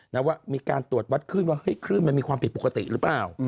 ว่ามีการตรวจวัดคลื่นว่าเฮ้ยคลื่นมันมีความผิดปกติหรือเปล่า